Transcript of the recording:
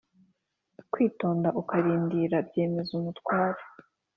Kwitonda ukarind ra byemeza umutware